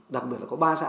đặc biệt là có ba xã